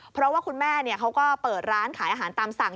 เพราะว่าคุณแม่เขาก็เปิดร้านขายอาหารตามสั่ง